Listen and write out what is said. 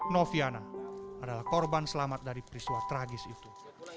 noviana adalah korban selamat dari peristiwa tragis itu